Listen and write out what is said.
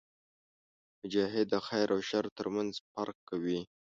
مجاهد د خیر او شر ترمنځ فرق کوي.